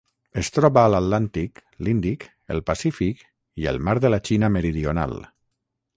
Es troba a l'Atlàntic, l'Índic, el Pacífic i el mar de la Xina Meridional.